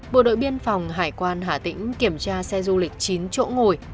bộ đội biên phòng hải quan hà tĩnh kiểm tra xe du lịch chín chỗ ngồi